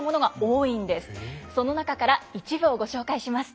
その中から一部をご紹介します。